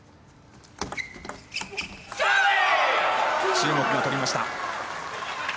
中国が取りました。